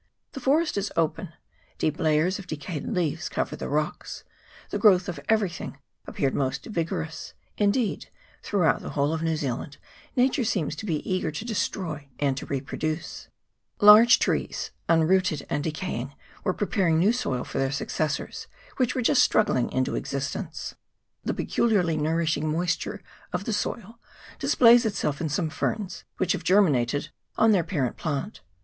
The forest is open ; deep layers of decayed leaves cover the rocks ; the growth of everything appeared most vigorous : indeed throughout the whole of New Zealand nature seems to be eager to destroy and to reproduce. Large trees, unrooted and decaying, were preparing new soil for their suc cessors, which were just struggling into existence. 1 Anthochaera concinnata, Vig. and Horsf. CHAP. V.J EAST BAY. 119 The peculiarly nourishing moisture of the soil dis plays itself in some ferns, which have germinated on their parent plant.